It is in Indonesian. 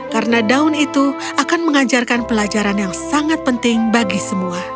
karena daun itu akan mengajarkan pelajaran yang sangat penting bagi semua